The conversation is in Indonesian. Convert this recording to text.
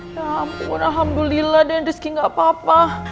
ya ampun alhamdulillah dan rizky gak apa apa